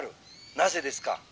なぜですか？」。